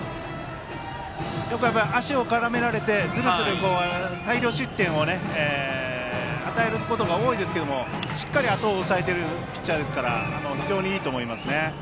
足を絡められてずるずる大量失点を与えることが多いですけどもしっかりあとを抑えているピッチャーですから非常にいいと思いますね。